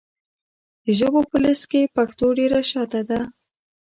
د ژبو په لېسټ کې پښتو ډېره شاته ده .